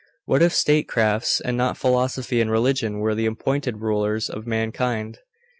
What if statecrafts and not philosophy and religion, were the appointed rulers of mankind?